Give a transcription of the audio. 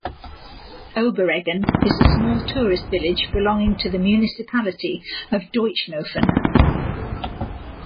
Obereggen is a small tourist village belonging to the municipality of Deutschnofen.